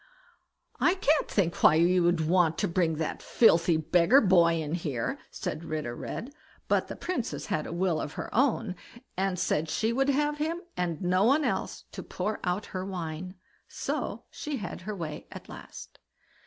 "I can't think why you should want to bring that filthy beggar boy in here", said Ritter Red; but the Princess had a will of her own, and said she would have him, and no one else, to pour out her wine; so she had her way at last.